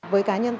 với cá nhân tôi